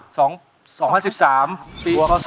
ยังเพราะความสำคัญ